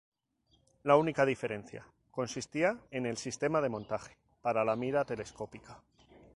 La única diferencia consistía en el sistema de montaje para la mira telescópica.